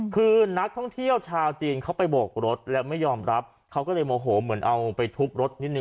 คือนักท่องเที่ยวชาวจีนเขาไปโบกรถแล้วไม่ยอมรับเขาก็เลยโมโหเหมือนเอาไปทุบรถนิดนึ